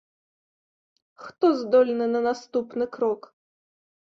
Хто здольны на наступны крок?